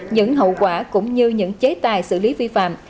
những hậu quả cũng như những chế tài xử lý vi phạm